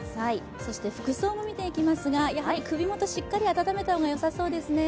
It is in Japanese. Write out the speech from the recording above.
そして服装も見ていきますが、首元しっかり暖めた方が良さそうです。